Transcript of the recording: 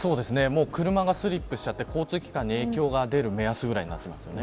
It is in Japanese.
車がスリップし合って交通機関に影響が出る目安ぐらいなんですよね。